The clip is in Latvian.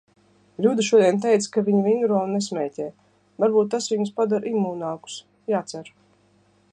Ļuda šodien teica, ka viņi vingro un nesmēķē. Varbūt tas viņus padara imūnākus. Jācer.